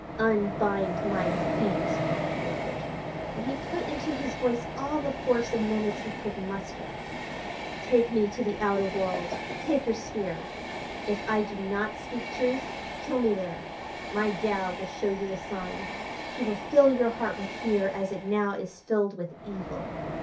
"Unbind my feet!" he ordered, and he put into his voice all the force and menace he could muster. "Take me to the outer world. Take your spear. If I do not speak truth, kill me there. My Tao will show you a sign; he will fill your heart with fear as it now is filled with evil.